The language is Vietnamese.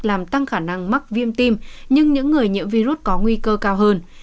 làm tăng khả năng mắc viêm tim nhưng những người nhiễm virus có nguy cơ cao hơn